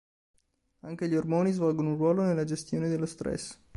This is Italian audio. Anche gli ormoni svolgono un ruolo nella gestione dello stress.